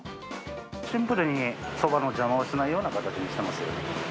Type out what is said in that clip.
シンプルに、そばの邪魔をしないような形にしてます。